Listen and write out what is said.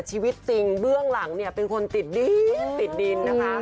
ชีวิตจริงเบื้องหลังเนี่ยเป็นคนติดดินติดดินนะคะ